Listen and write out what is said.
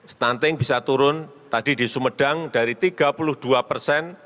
stunting bisa turun tadi di sumedang dari tiga puluh dua persen